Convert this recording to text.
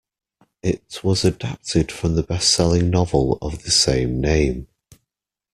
It was adapted from the bestselling novel of the same name.